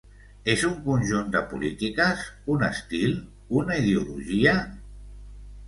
És un conjunt de polítiques, un estil, una ideologia?